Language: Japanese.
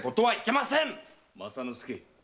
政之助。